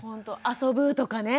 遊ぶとかね。